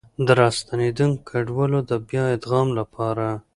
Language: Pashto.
د راستنېدونکو کډوالو د بيا ادغام لپاره